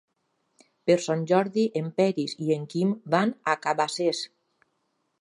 Per Sant Jordi en Peris i en Quim van a Cabacés.